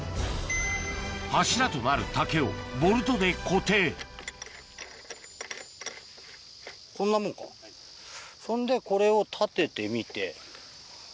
柱となる竹をボルトで固定こんなもんかそんでこれを立ててみて。